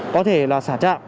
có thể là xả trạm